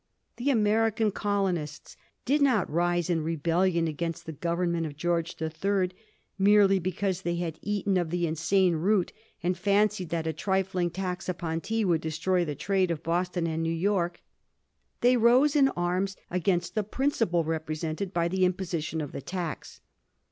The American colonists did not rise in rebellion against the Govern ment of George III. merely because they had eaten of the insane root, and fancied that a trifling tax upon tea would destroy the trade of Boston and New York. They rose in arms against the principle represented by the imposition of the tax.